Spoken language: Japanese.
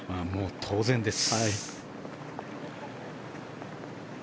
当然です。